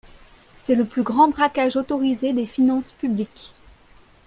C’est le plus grand braquage autorisé des finances publiques.